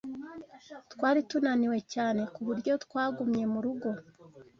Twari tunaniwe cyane, ku buryo twagumye mu rugo.